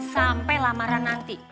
sampai lamaran nanti